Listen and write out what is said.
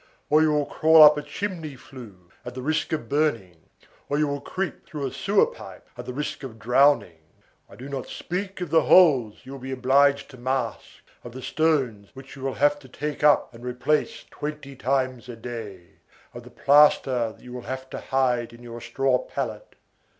Or you will crawl up a chimney flue, at the risk of burning; or you will creep through a sewer pipe, at the risk of drowning; I do not speak of the holes that you will be obliged to mask, of the stones which you will have to take up and replace twenty times a day, of the plaster that you will have to hide in your straw pallet.